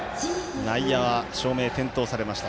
内野は照明点灯されました。